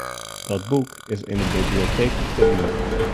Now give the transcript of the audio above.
Dat boek is yn de biblioteek te lien.